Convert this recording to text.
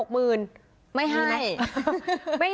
ไม่ได้เหรอไม่ได้